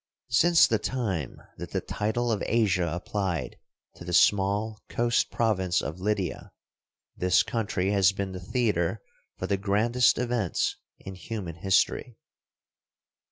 Since the time that the title of Asia applied to the small coast province of Lydia, this country has been the theater for the grandest events in human history.